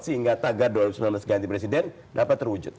sehingga tagar dua ribu sembilan belas ganti presiden dapat terwujud